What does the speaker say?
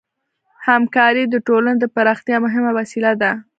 همکاري د ټولنې د پراختیا مهمه وسیله ده.